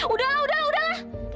udah lah udah lah udah lah